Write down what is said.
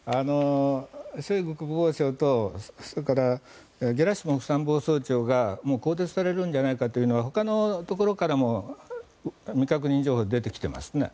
ショイグ国防相とそれからゲラシモフ参謀総長が更迭されるんじゃないかというのは、ほかのところからも未確認情報で出てきていますね。